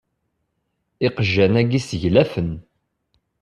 Iqjan-agu seglafen.